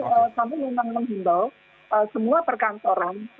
kami memang menghimbau semua perkantoran